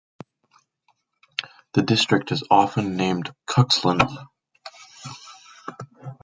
The district is often nicknamed Cuxland.